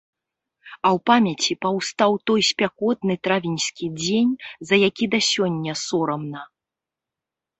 А ў памяці паўстаў той спякотны травеньскі дзень, за які да сёння сорамна.